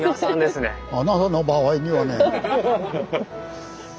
あなたの場合にはね。